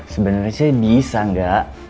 sebenernya sih bisa enggak